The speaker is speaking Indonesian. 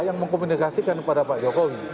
yang mengkomunikasikan kepada pak jokowi